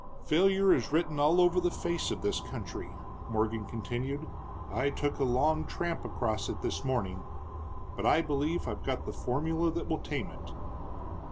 "Failure is written all over the face of this country," Morgan continued; "I took a long tramp across it this morning. But I believe I've got the formula that will tame it."